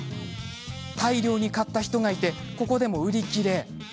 大量に買った人がいてここでも売り切れ。